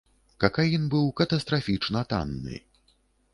Какаін быў катастрафічна танны.